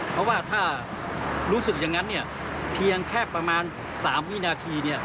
เพราะว่าถ้ารู้สึกอย่างนั้นเนี่ยเพียงแค่ประมาณ๓วินาที